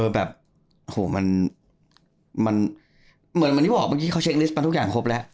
แบบโหมันเหมือนที่บอกเมื่อกี้เขาเช็คลิสต์มาทุกอย่างครบแล้ว